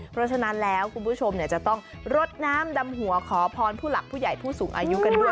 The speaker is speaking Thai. เพราะฉะนั้นแล้วคุณผู้ชมจะต้องรดน้ำดำหัวขอพรผู้หลักผู้ใหญ่ผู้สูงอายุกันด้วย